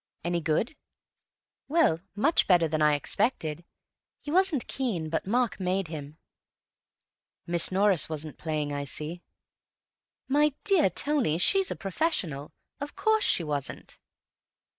"Any good?" "Well, much better than I expected. He wasn't keen, but Mark made him." "Miss Norris wasn't playing, I see." "My dear Tony, she's a professional. Of course she wasn't."